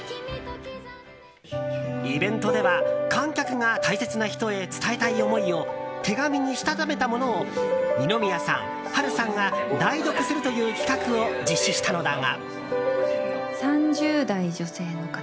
イベントでは、観客が大切な人へ伝えたい思いを手紙にしたためたものを二宮さん、波瑠さんが代読するという企画を実施したのだが。